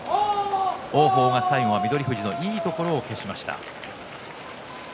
王鵬がその翠富士のいいところを消しました。